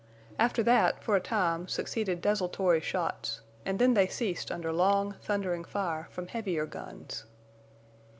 After that, for a time, succeeded desultory shots; and then they ceased under long, thundering fire from heavier guns.